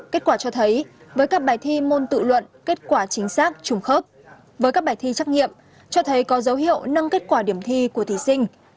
kết quả cho thấy với các bài thi môn tự luận kết quả chính xác trùng khớp với các bài thi trắc nghiệm cho thấy có dấu hiệu nâng kết quả điểm thi của thí sinh